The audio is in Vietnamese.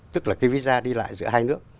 tức là cái visa đi lại giữa hai nước